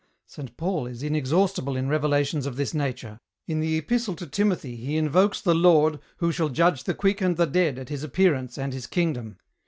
Saint Paul is inexhaustible in revelations of this nature. In the epistle to Timothy he invokes the Lord 'who shall judge the quick and the dead at his appearance and his kingdom.'